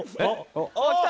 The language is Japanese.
「おっきた！」